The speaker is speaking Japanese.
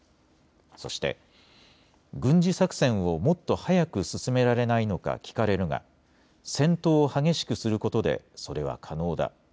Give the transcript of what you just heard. そして軍事作戦をもっと早く進められないのか聞かれるが戦闘を激しくすることでそれは可能だ。